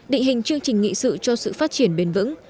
định hình chương trình nghị sự cho sự phát triển bền vững